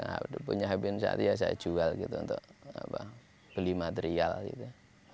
habis habis saatnya saya jual gitu untuk beli material gitu